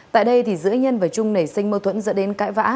tại đây giữa nhân và trung nảy sinh mâu thuẫn dẫn đến cãi vã